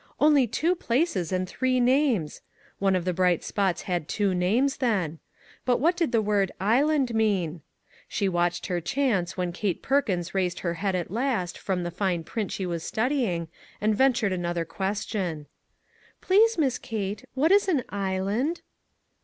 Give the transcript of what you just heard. Only two places and three names ! One of the bright spots had two names, then. But what did the word " island " mean? She watched her chance when Kate Perkins raised her head, at last, from the fine print she was studying, and ventured another question. " Please, Miss Kate, what is an island